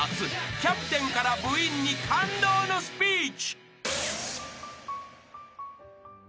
キャプテンから部員に感動のスピーチ］